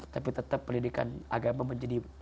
tapi tetap pendidikan agama menjadi